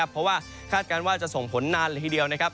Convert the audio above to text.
เพราะว่าคาดการณ์ว่าจะส่งผลนานเลยทีเดียวนะครับ